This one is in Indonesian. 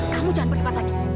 kamu jangan bergebat lagi